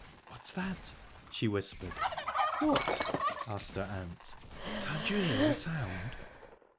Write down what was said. "What's that?" she whispered. "What?" asked her aunt. "Can't you hear a sound?"